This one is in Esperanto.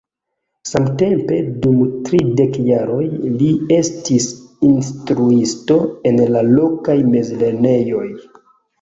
Samtempe dum tridek jaroj li estis instruisto en la lokaj mezlernejoj.